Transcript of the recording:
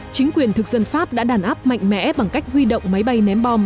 chính quyền thực dân pháp đã đàn áp mạnh mẽ bằng cách huy động máy bay ném bom